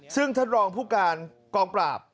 ซึ่งท่านรองผู้การกองปราบ